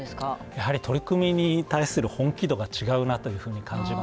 やはり取り組みに対する本気度が違うなというふうに感じますね。